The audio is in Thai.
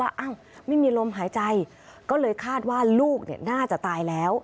อ้าวไม่มีลมหายใจก็เลยคาดว่าลูกน่าจะตายแล้ว